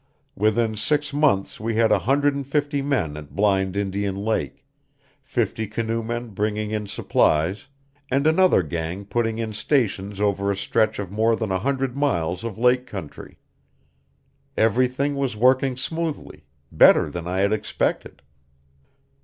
Within six months we had a hundred and fifty men at Blind Indian Lake, fifty canoemen bringing in supplies, and another gang putting in stations over a stretch of more than a hundred miles of lake country. Everything was working smoothly, better than I had expected.